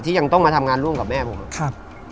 ที่ยังต้องมาทำงานร่วมกับแม่ผม